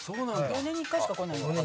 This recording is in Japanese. ４年に１回しか来ない。